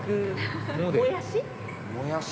もやし？